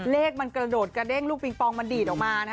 เลขมันกระโดดกระเด้งลูกปิงปองมันดีดออกมานะฮะ